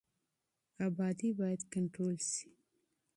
نفوس بايد کنټرول سي.